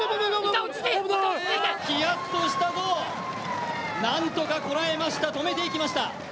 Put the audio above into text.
ひやっとしたぞ、何とかこらえました、止めてきました。